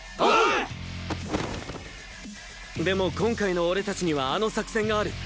でも今回の俺たちにはあの作戦がある。